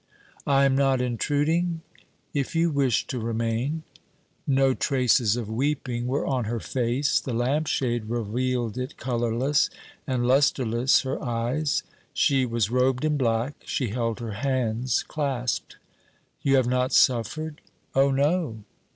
'I am not intruding...?' 'If you wish to remain...' No traces of weeping were on her face. The lampshade revealed it colourless, and lustreless her eyes. She was robed in black. She held her hands clasped. 'You have not suffered?' 'Oh, no.'